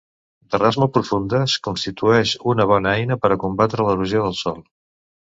D'arrels molt profundes, constitueix una bona eina per a combatre l'erosió del sòl.